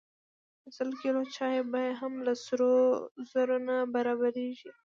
د سل کیلو چای بیه هم له سرو زرو سره نه برابریږي.